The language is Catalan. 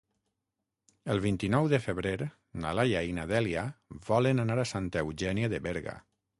El vint-i-nou de febrer na Laia i na Dèlia volen anar a Santa Eugènia de Berga.